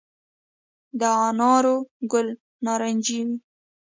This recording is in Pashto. د انارو ګل نارنجي وي؟